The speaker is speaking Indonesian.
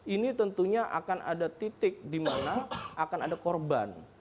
ini tentunya akan ada titik dimana akan ada korban